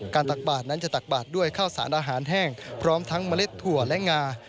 ตักบาทนั้นจะตักบาดด้วยข้าวสารอาหารแห้งพร้อมทั้งเมล็ดถั่วและงา